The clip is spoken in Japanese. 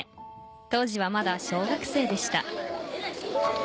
当時は、まだ小学生でした。